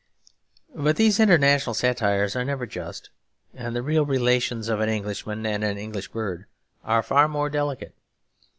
But these international satires are never just; and the real relations of an Englishman and an English bird are far more delicate.